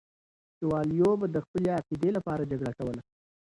شوالیو به د خپلې عقیدې لپاره جګړه کوله.